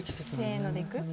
せーのでいく？